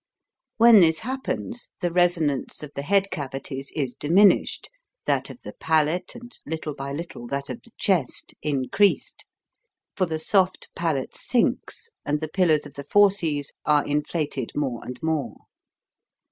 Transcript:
When this happens, the resonance of the head cavities is diminished, that of the palate 64 HOW TO SING and little by little that of the chest increased ; for the soft palate sinks, and the pillars of the fauces are inflated more and more.